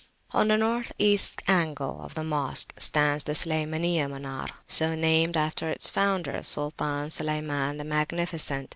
On the North East angle of the Mosque stands the Sulaymaniyah Munar, so named after its founder, Sultan Sulayman the Magnificent.